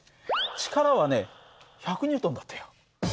力はね１００Ｎだったよ。